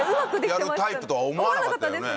やるタイプとは思わなかったよね。